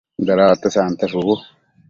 dada uate sante shubu